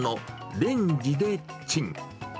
レンジでチン。